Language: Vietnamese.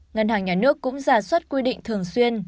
ngân hàng nhà nước cũng giả xuất quy định thường xuyên